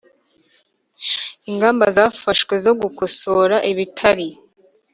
Ingamba zafashwe zo gukosora ibitari